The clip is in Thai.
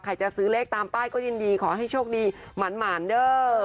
จะซื้อเลขตามป้ายก็ยินดีขอให้โชคดีหมานเด้อ